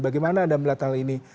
bagaimana anda melihat hal ini